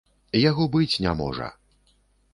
Яго быць не можа.